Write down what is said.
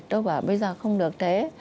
tôi bảo bây giờ không được thế